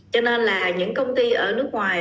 cho nên là những công ty ở nước ngoài